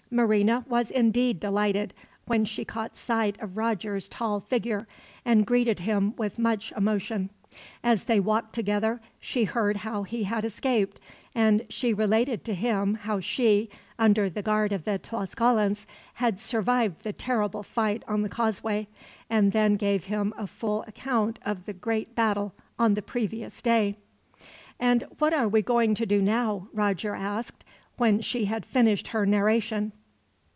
Marina was indeed delighted, when she caught sight of Roger's tall figure, and greeted him with much emotion. As they walked together, she heard how he had escaped; and she related to him how she, under the guard of the Tlascalans, had survived the terrible fight on the causeway; and then gave him a full account of the great battle, on the previous day. "And what are we going to do now?" Roger asked, when she had finished her narration.